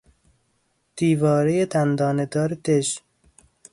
دیوارهی دندانه دار دژ